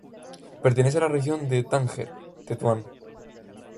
Pertenece a la región Tánger-Tetuán.